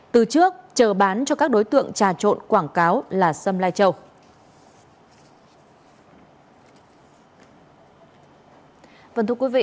từ trước chờ bán cho các đối tượng trà trộn quảng cáo là xâm lai châu